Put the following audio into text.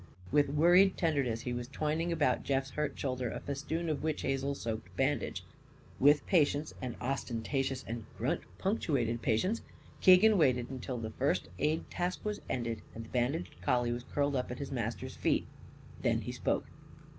With worried tenderness he was twining about Jeff's hurt shoulder a festoon of witch hazel soaked bandage. With patience an ostentatious and grunt punctuated patience Keegan waited until the first aid task was ended and the bandaged collie was curled up at his master's feet. Then he spoke.